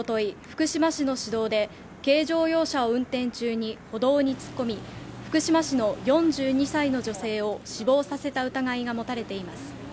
福島市の市道で軽乗用車を運転中に歩道に突っ込み福島市の４２歳の女性を死亡させた疑いが持たれています